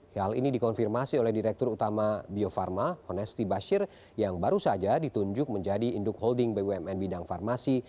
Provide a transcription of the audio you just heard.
hal ini dikonfirmasi oleh direktur utama bio farma honesty bashir yang baru saja ditunjuk menjadi induk holding bumn bidang farmasi